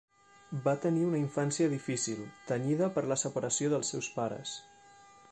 Va tenir una infància difícil, tenyida per la separació dels seus pares.